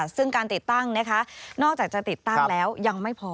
ซึ่งการติดตั้งนะคะนอกจากจะติดตั้งแล้วยังไม่พอ